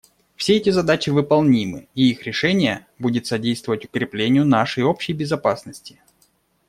Все эти задачи выполнимы, и их решение будет содействовать укреплению нашей общей безопасности.